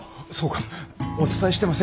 お伝えしてませんでした。